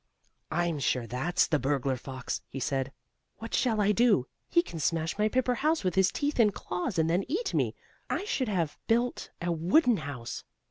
"I'm sure that's the burglar fox," he said. "What shall I do? He can smash my paper house with his teeth and claws, and then eat me. I should have built a wooden house.